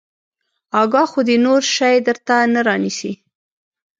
اکا خو دې نور شى درته نه رانيسي.